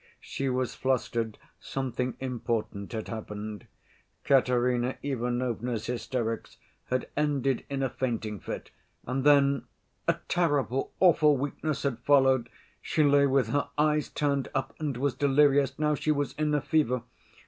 She was flustered; something important had happened. Katerina Ivanovna's hysterics had ended in a fainting fit, and then "a terrible, awful weakness had followed, she lay with her eyes turned up and was delirious. Now she was in a fever.